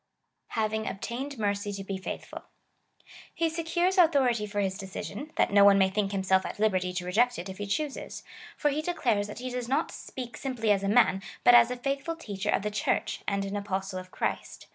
Having obtained mercy to be faithful. He secures autho rity for his decision, that no one may think himself at liberty to reject it, if he chooses. For he declares that he does not speak simply as a man, but as a faithful teacher of the Church, and an Apostle of Christ.